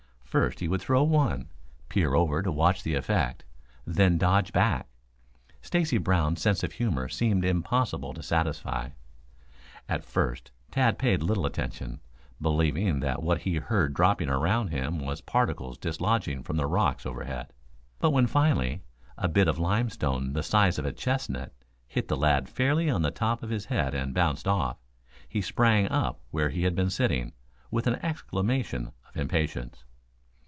First he would throw one, peer over to watch the effect, then dodge back. Stacy Brown's sense of humor seemed impossible to satisfy. At first Tad paid little attention, believing that what he heard dropping about him was particles dislodged from the rocks overhead. But when finally, a bit of limestone the size of a chestnut hit the lad fairly on the top of his head and bounded off, he sprang up from where he had been sitting, with an exclamation of impatience.